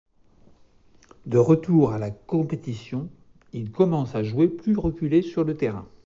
De retour à la compétition, il commence à jouer plus reculé sur le terrain.